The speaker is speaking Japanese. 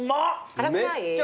辛くない？